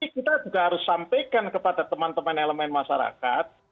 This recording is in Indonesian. kita juga harus sampaikan kepada teman teman elemen masyarakat